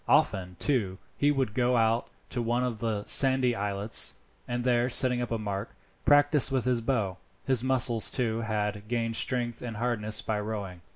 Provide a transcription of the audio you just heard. Often, too, he would go out to one of the sandy islets, and there setting up a mark, practise with the bow. His muscles too, had gained strength and hardness by rowing.